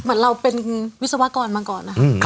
เหมือนเราเป็นวิศวกรมาก่อนนะคะ